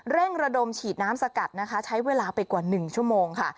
เร่งระดมฉีดน้ำสกัดนะคะใช้เวลาไปกว่า๑ชั่วโมงค่ะ